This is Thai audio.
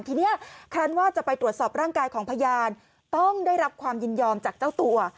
ทีนี้ครั้นว่าจะไปตรวจสอบร่างกายของพยานต้องได้รับความยินยอมจากเจ้าตัว